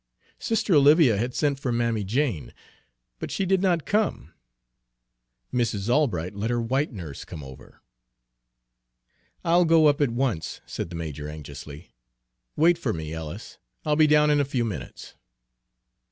Sister Olivia had sent for Mammy Jane, but she did not come. Mrs. Albright let her white nurse come over." "I'll go up at once," said the major anxiously. "Wait for me, Ellis, I'll be down in a few minutes."